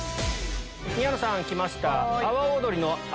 宮野さんきました。